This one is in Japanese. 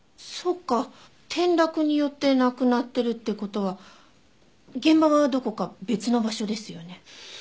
そっか転落によって亡くなってるって事は現場はどこか別の場所ですよね。